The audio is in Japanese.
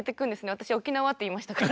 私「沖縄」って言いましたから。